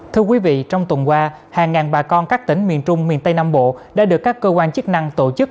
thưa quý vị trong tuần qua hàng ngàn bà con các tỉnh miền trung miền tây nam bộ đã được các cơ quan chức năng tổ chức